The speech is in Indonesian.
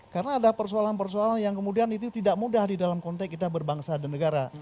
karena ada persoalan persoalan yang kemudian itu tidak mudah di dalam konteks kita berbangsa dan negara